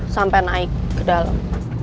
sampai naik ke dalam